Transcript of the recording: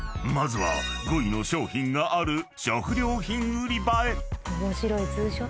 ［まずは５位の商品がある］